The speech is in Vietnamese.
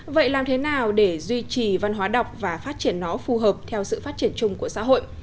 vậy làm thế nào để duy trì văn hóa đọc và phát triển nó phù hợp theo sự phát triển chung của xã hội